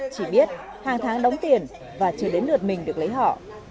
chỉ biết hàng tháng đóng tiền và chưa đến lượt mình được lấy họ